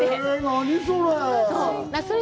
何それ？